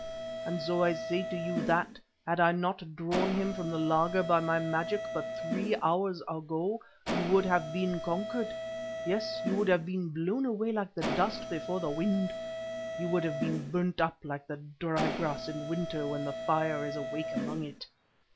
And so I say to you that, had I not drawn him from the laager by my magic but three hours ago, you would have been conquered—yes, you would have been blown away like the dust before the wind; you would have been burnt up like the dry grass in the winter when the fire is awake among it.